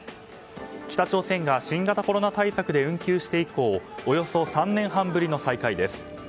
北朝鮮が新型コロナ対策で運休して以降およそ３年半ぶりの再開です。